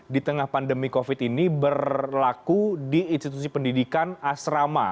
di tengah pandemi covid ini berlaku di institusi pendidikan asrama